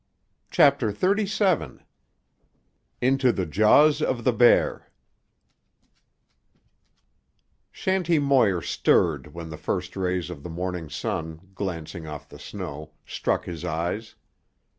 CHAPTER XXXVII—INTO THE JAWS OF THE BEAR Shanty Moir stirred when the first rays of the morning sun, glancing off the snow, struck his eyes.